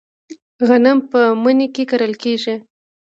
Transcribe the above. غنم په مني کې کرل کیږي.